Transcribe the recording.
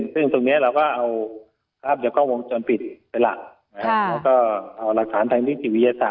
ซึ่งตรงนี้เราก็เอาข้อมูลจวงปิดไปล่ะแล้วก็เอารักษาทางจิตวิญญาตา